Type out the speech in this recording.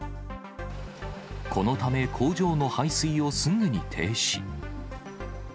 このため、工場の排水をすぐに停止。